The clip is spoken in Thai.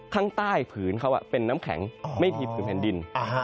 ข้างใต้ผืนเขาเป็นน้ำแข็งไม่ถีบผืนแผ่นดิน